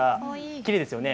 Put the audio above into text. きれいですよね。